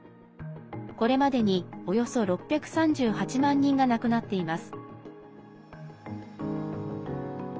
これまでに、およそ６３８万人が亡くなっています。